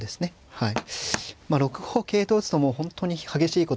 はい。